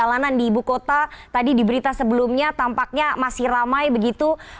jalanan di ibu kota tadi diberita sebelumnya tampaknya masih ramai begitu